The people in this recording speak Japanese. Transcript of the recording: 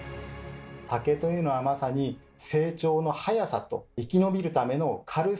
竹というのはまさに「成長のはやさ」と生き延びるための「軽さ」と「強さ」